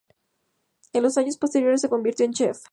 En los años posteriores se convirtió en Chef.